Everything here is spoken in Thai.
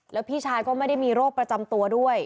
แล้วพี่ชายก็ไม่ได้มีโรคประจำตัวด้วย